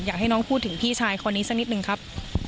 อยากให้น้องพูดถึงพี่ชายคนนี้สักนิดนึงครับ